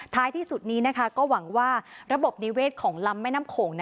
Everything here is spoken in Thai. ที่สุดนี้ก็หวังว่าระบบนิเวศของลำแม่น้ำโขง